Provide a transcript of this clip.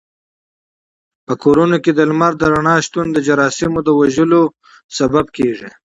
په کورونو کې د لمر د رڼا شتون د جراثیمو د وژلو لامل کېږي.